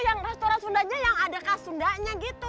yang restoran sundanya yang ada khas sundanya gitu